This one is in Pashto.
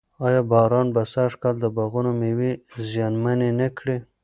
ایا باران به سږ کال د باغونو مېوې زیانمنې نه کړي؟